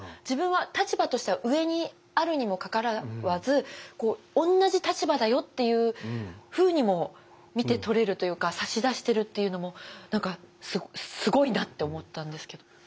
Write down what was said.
自分は立場としては上にあるにもかかわらずおんなじ立場だよっていうふうにも見て取れるというか差し出してるっていうのも何かすごいなと思ったんですけど。